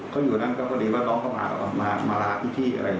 ก็แต่ว่าถามว่ามีจัดเลี้ยงในสถานการณ์ไหม